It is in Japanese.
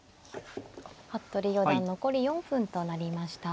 服部四段残り４分となりました。